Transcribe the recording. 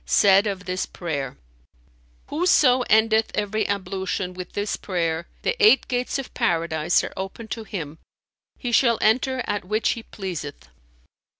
said of this prayer, 'Whoso endeth every ablution with this prayer, the eight gates of Paradise are open to him; he shall enter at which he pleaseth.'"